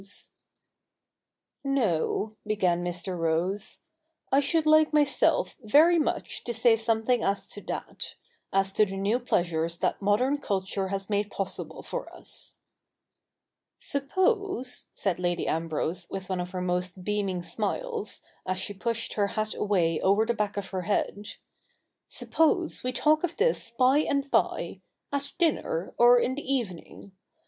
cii. iv] THE NEW REPUBLIC 177 ' No,' began Mr. Rose, • I should like myself very much to say something as to that — as to the new pleasures that modern culture has made possible for us.' ' Suppose —'" said Lady Ambrose with one of her most beaming smiles, as she pushed her hat away over the back of her head, ' suppose we talk of this by and by — at dinner, or in the evening.